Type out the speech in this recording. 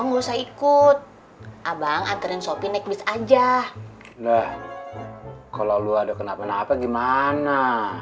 nggak usah ikut abang aturin sopi nekbis aja udah kalau lu ada kenapa napa gimana